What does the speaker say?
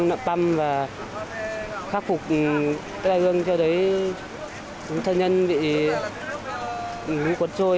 nạm phâm và khắc phục tây đa dương cho đến thân nhân bị quất trôi